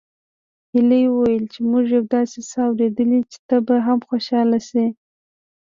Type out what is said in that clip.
هيلې وويل چې موږ يو داسې څه اورېدلي چې ته به هم خوشحاله شې